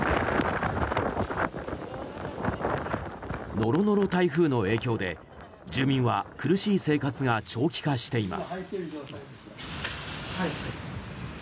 ノロノロ台風の影響で住民は厳しい生活が長期化しています。